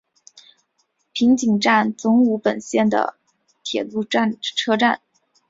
平井站总武本线的铁路车站。